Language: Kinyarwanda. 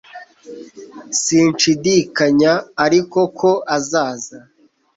Sinshidikanya ariko ko azaza